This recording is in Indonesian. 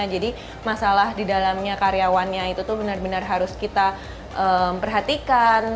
jadi masalah di dalamnya karyawannya itu tuh benar benar harus kita perhatikan